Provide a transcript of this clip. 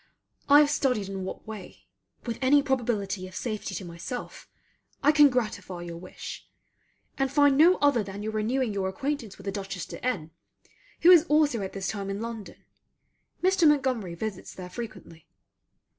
I have studied in what way, with any probability of safety to myself, I can gratify your wish; and find no other than your renewing your acquaintance with the Dutchess de N , who is also at this time in London. Mr. Montgomery visits there frequently.